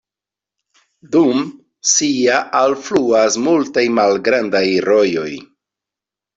Dum sia alfluas multaj malgrandaj rojoj.